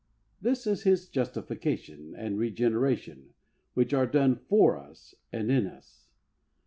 *^ This is His justification, and regeneration, which are done for us and in us.